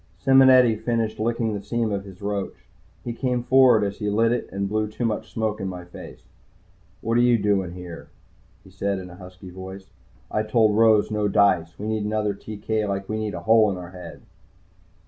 Simonetti finished licking the seam of his roach. He came forward as he lit it and blew too much smoke in my face. "What you doing here?" he said in a husky voice. "I told Rose no dice. We need another TK like we need a hole in the head."